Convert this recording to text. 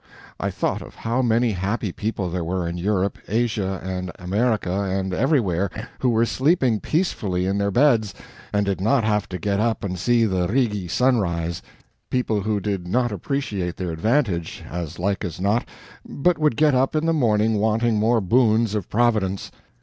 I thought of how many happy people there were in Europe, Asia, and America, and everywhere, who were sleeping peacefully in their beds, and did not have to get up and see the Rigi sunrise people who did not appreciate their advantage, as like as not, but would get up in the morning wanting more boons of Providence.